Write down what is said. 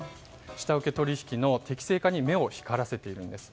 下請け取引の適正化に目を光らせているんです。